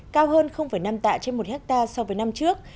cao hơn năm tạ trên một hectare so với năm trước